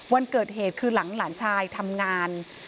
วันเกิดเหตุคือหลังหลานชายทำงาน